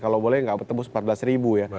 kalau boleh nggak tebus empat belas ribu ya